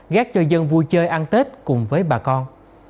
gác cho dân vui chơi ăn tết cùng với bà con